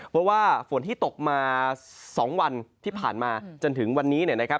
เพราะว่าฝนที่ตกมา๒วันที่ผ่านมาจนถึงวันนี้เนี่ยนะครับ